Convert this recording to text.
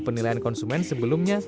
penilaian konsumen sebelumnya